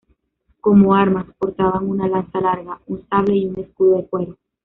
Como armas, portaban una lanza larga, un sable y un escudo de cuero.